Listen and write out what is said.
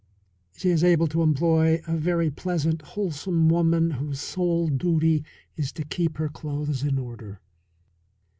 She is able to employ a very pleasant, wholesome woman, whose sole duty it is to keep her clothes in order.